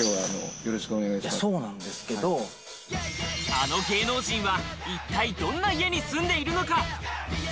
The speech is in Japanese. あの芸能人は一体どんな家に住んでいるのか？